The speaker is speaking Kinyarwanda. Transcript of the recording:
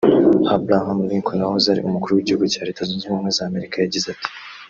Abraham Lincoln wahoze ari umukuru w’igihugu cya Leta Zunze ubumwe z’Amerika yagize ati